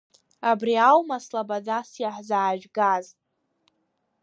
Абри аума слабодас иаҳзаажәгаз?